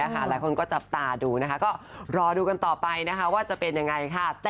หลายคนก็จับตาดูรอดูกันต่อไปว่าจะเป็นยังไง